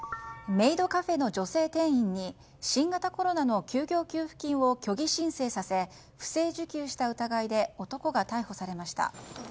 メイドカフェの女性店員に新型コロナの休業給付金を虚偽申請させ不正受給した疑いで男が逮捕されました。